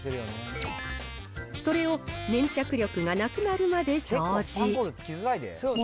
それを粘着力がなくなるまで掃除。